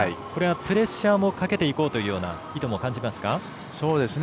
プレッシャーもかけていこうというような意図も感じますか。